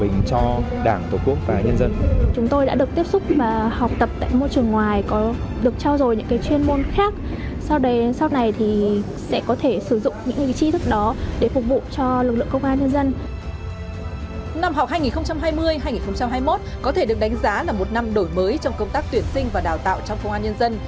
năm học hai nghìn hai mươi hai nghìn hai mươi một có thể được đánh giá là một năm đổi mới trong công tác tuyển sinh và đào tạo trong công an nhân dân